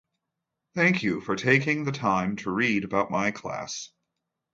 Thank you for taking the time to read about my class.